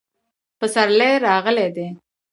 پسرلی راغلی دی